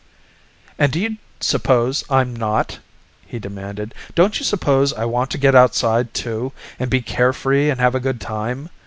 "And do you suppose I'm not?" he demanded. "Don't you suppose I want to get outside, too, and be carefree and have a good time?